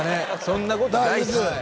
そんなことないっすよ